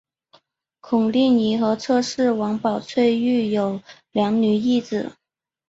孔令贻和侧室王宝翠育有二女一子。